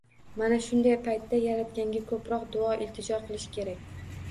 Mana shunday paytda Yaratganga ko‘proq duo-iltijo qilish kerak.